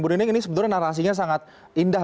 mbak nining ini sebenarnya narasinya sangat indah